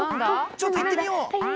ちょっと行ってみよう。